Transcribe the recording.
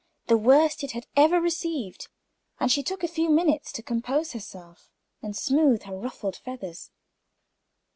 The worst it had ever received; and she took a few minutes to compose herself, and smooth her ruffled feathers.